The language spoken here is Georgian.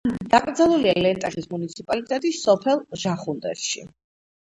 დაკრძალულია ლენტეხის მუნიციპალიტეტის სოფელ ჟახუნდერში.